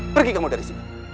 pergi kamu dari sini